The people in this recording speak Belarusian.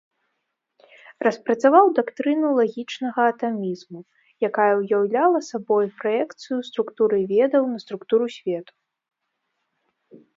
Распрацаваў дактрыну лагічнага атамізму, якая уяўляла сабой праекцыю структуры ведаў на структуру свету.